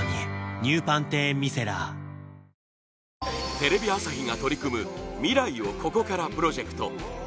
テレビ朝日が取り組む未来をここからプロジェクト